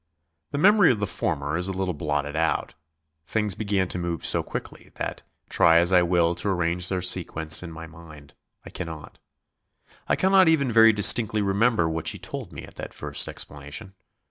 The memory of the former is a little blotted out. Things began to move so quickly that, try as I will to arrange their sequence in my mind, I cannot. I cannot even very distinctly remember what she told me at that first explanation.